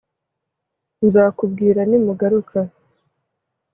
Nzakubwira nimugaruka